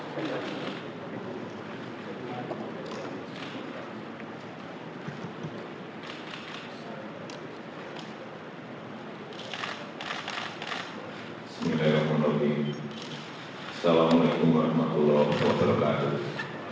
bismillahirrahmanirrahim assalamu'alaikum warahmatullahi wabarakatuh